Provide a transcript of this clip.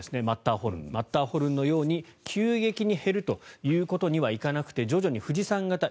マッターホルンマッターホルンのように急激に減るということにはいかなくて徐々に富士山型